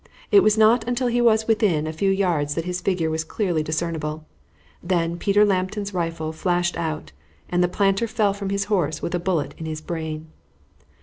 It was not until he was within a few yards that his figure was clearly discernible; then Peter Lambton's rifle flashed out, and the planter fell from his horse with a bullet in his brain.